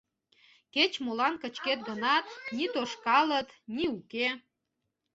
Кеч-молан кычкет гынат, ни тошкалыт, ни уке...